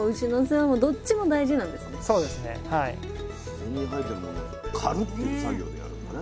自然に生えてるものを刈るっていう作業でやるんだね。